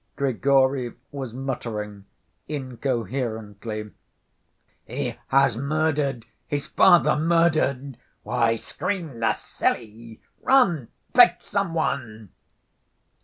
Grigory was muttering incoherently: "He has murdered ... his father murdered.... Why scream, silly ... run ... fetch some one...."